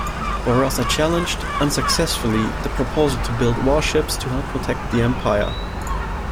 Bourassa challenged, unsuccessfully, the proposal to build warships to help protect the empire.